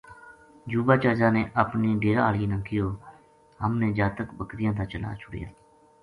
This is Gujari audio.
یوبا چاچا نے اپنی ڈیرا ہالی نا کہیو ہم نے جاتک بکریاں دا چلا چھُڑیا